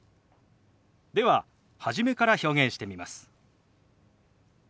では初めから表現してみます。